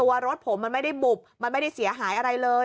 ว่ารถผมมันไม่ได้บุบมันไม่ได้เสียหายอะไรเลย